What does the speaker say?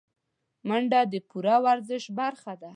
منډه د پوره ورزش برخه ده